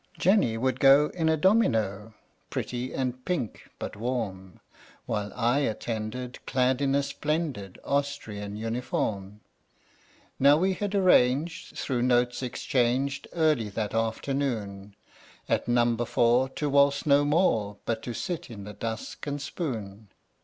Jenny would go in a domino Pretty and pink but warm; While I attended, clad in a splendid Austrian uniform. Now we had arranged, through notes exchanged Early that afternoon, At Number Four to waltz no more, But to sit in the dusk and spoon.